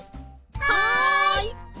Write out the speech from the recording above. はい！